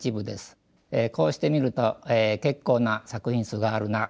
こうして見ると結構な作品数があるなと思います。